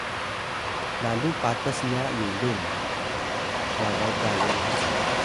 Yageh: lalu patas nya yulung babaw kayan haca?